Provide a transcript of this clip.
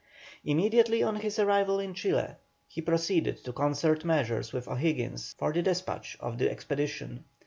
Immediately on his arrival in Chile, he proceeded to concert measures with O'Higgins for the despatch of the expedition.